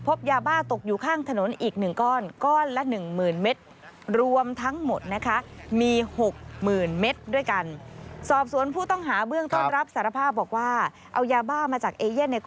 พบยาบ้าตกอยู่ข้างถนนอีกหนึ่งก้อน